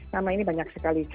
nama ini banyak sekali